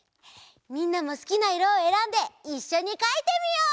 みんなもすきないろをえらんでいっしょにかいてみよう！